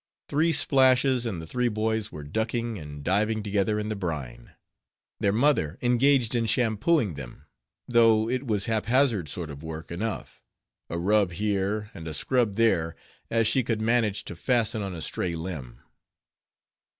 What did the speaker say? Three splashes, and the three boys were ducking and diving together in the brine; their mother engaged in shampooing them, though it was haphazard sort of work enough; a rub here, and a scrub there, as she could manage to fasten on a stray limb.